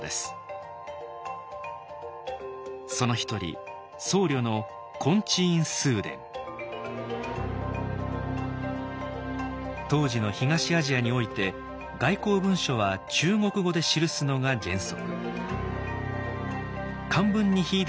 その一人僧侶の当時の東アジアにおいて外交文書は中国語で記すのが原則。